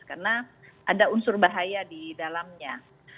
karena ada unsur bahaya di dalamnya